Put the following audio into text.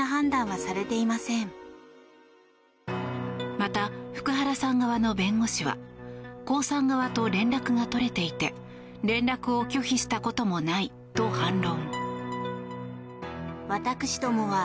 また、福原さん側の弁護士はコウさん側と連絡が取れていて連絡を拒否したこともないと反論。